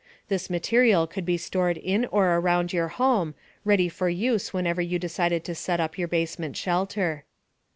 This material could be stored in or around your home, ready for use whenever you decided to set up your basement shelter.